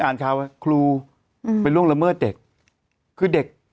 มันติดคุกออกไปออกมาได้สองเดือน